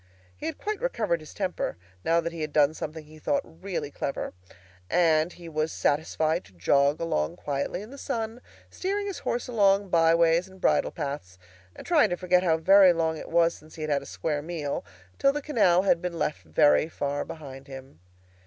He had quite recovered his temper, now that he had done something he thought really clever; and he was satisfied to jog along quietly in the sun, steering his horse along by ways and bridle paths, and trying to forget how very long it was since he had had a square meal, till the canal had been left very far behind him.